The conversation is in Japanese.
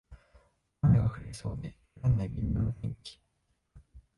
雨が降りそうで降らない微妙な天気